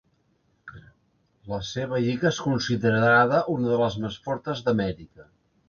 La seva lliga és considerada una de les més fortes d'Amèrica.